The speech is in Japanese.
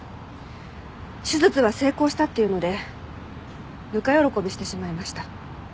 手術は成功したっていうのでぬか喜びしてしまいました。